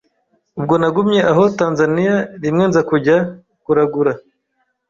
Ubwo nagumye aho Tanzania rimwe nza kujya kuragura